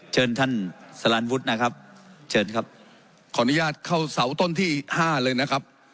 เชิญท่านสลันวุฒินะครับเชิญครับขออนุญาตเข้าเสาต้นที่ห้าเลยนะครับ